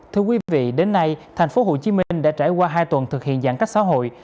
thưa quý vị đến nay thành phố hồ chí minh đã trải qua hai tuần thực hiện giãn cách xã hội